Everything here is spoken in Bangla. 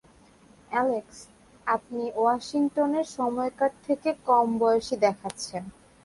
অ্যালেক্স, আপনি ওয়াশিংটনের সময়কার থেকে কম বয়সী দেখাচ্ছেন।